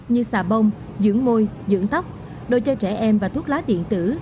như xà bông dưỡng môi dưỡng tóc đồ chơi trẻ em và thuốc lá điện tử